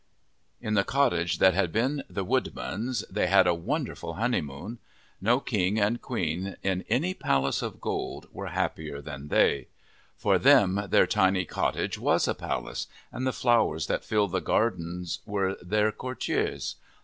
IV In the cottage that had been the woodman's they had a wonderful honeymoon. No king and queen in any palace of gold were happier than they. For them their tiny cottage was a palace, and the flowers that filled the garden were their courtiers.